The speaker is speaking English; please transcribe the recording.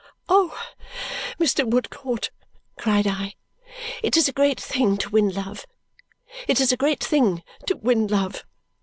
"Oh, Mr. Woodcourt," cried I, "it is a great thing to win love, it is a great thing to win love!